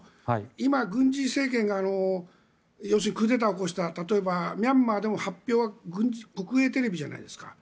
今、軍事政権が要するにクーデターを起こしたミャンマーでも発表は国営テレビじゃないですか。